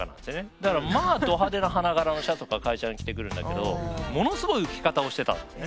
だからまあど派手な花柄のシャツとか会社に着てくるんだけどものすごい浮き方をしてたんですね。